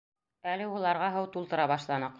Әле уларға һыу тултыра башланыҡ.